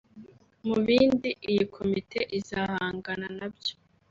Mu bindi iyi komite izahangana nabyo